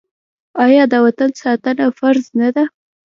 آیا د وطن ساتنه فرض نه ده؟